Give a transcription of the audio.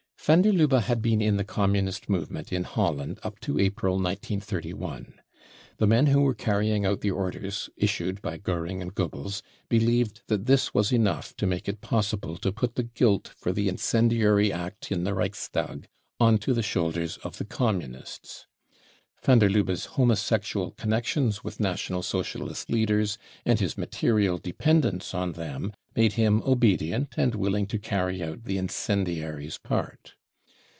Van der Lubbe had been in the Communist movement in Holland up to April 1931. The men who were carrying out the orders issued by Goering and Goebbels believed that this was enough to make it possible to put the guilt for the incendiary act in the Reichstag on to die shoulders of the * Communists. Van der Lubbe's homosexual connections with National Socialist leaders and his material dependence on them made him obedient and willing to carry out the incendiary's part.